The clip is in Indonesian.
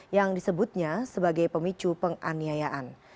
yang disebutnya sebagai pemicu penganiayaan